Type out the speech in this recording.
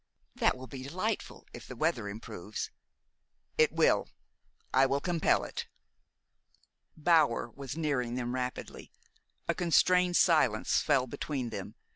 "That will be delightful, if the weather improves." "It will. I will compel it." Bower was nearing them rapidly. A constrained silence fell between them.